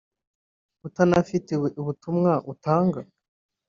utanafite ubutumwa utanga